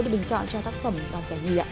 để bình chọn cho tác phẩm đoàn giải nhịp